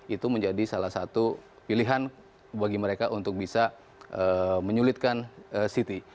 itu menjadi salah satu pilihan bagi mereka untuk bisa menyulitkan city